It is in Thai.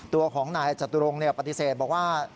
ตัวของนายจตุรงค์ปฏิเสธบอกว่า